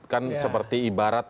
kan seperti ibarat